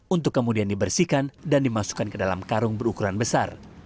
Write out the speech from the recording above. untuk kemudian dibersihkan dan dimasukkan ke dalam karung berukuran besar